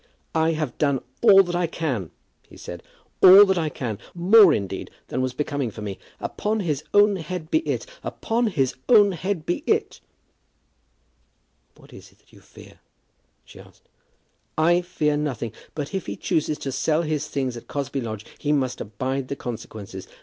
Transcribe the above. "I have done all that I can," he said, "all that I can; more, indeed, than was becoming for me. Upon his own head be it. Upon his own head be it!" "What is it that you fear?" she asked. "I fear nothing. But if he chooses to sell his things at Cosby Lodge he must abide the consequences.